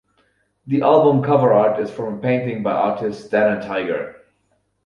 The album cover art is from a painting by artist Dana Tiger.